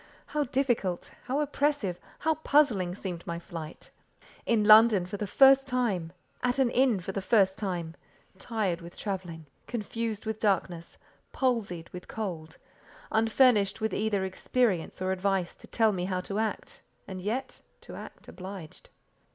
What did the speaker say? How difficult, how oppressive, how puzzling seemed my flight! In London for the first time; at an inn for the first time; tired with travelling; confused with darkness; palsied with cold; unfurnished with either experience or advice to tell me how to act, and yet—to act obliged.